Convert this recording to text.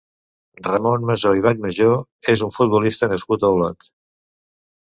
Ramon Masó i Vallmajó és un futbolista nascut a Olot.